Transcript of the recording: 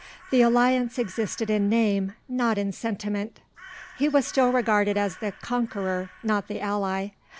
The alliance existed in name, not in sentiment. He was still regarded as the conqueror, not the ally.